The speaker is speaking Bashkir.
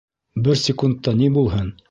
Бер секундта ни булһын?